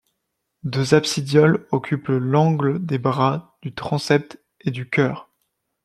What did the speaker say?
Deux absidioles occupent l'angle des bras du transept et du chœur.